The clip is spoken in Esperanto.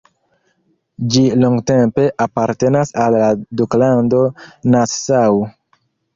Ĝi longtempe apartenas al Duklando Nassau.